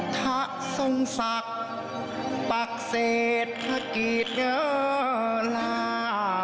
ถ้าทรงศักดิ์ปักเศรษฐกิจลา